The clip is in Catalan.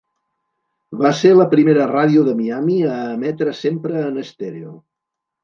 Va ser la primera ràdio de Miami a emetre sempre en estèreo.